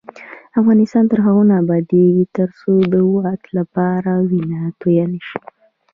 افغانستان تر هغو نه ابادیږي، ترڅو د واک لپاره وینه تویه نشي.